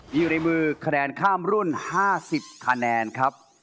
อยู่ในมือคะแนนข้ามรุ่น๕๐คะแนนครับ